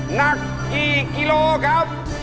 หนักกี่กิโลครับ